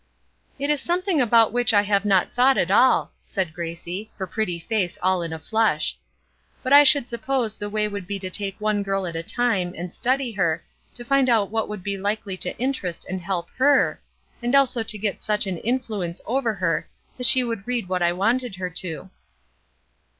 "It is something about which I have not thought at all," said Gracie, her pretty face all in a flush. "But I should suppose the way would be to take one girl at a time, and study her, to find what would be likely to interest and help her, and also to get such an influence over her that she would read what I wanted her to."